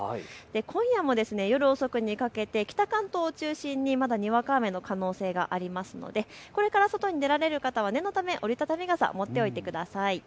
今夜も夜遅くにかけて北関東を中心にまだにわか雨の可能性がありますのでこれから外に出られる方は念のため折り畳み傘持っておいてください。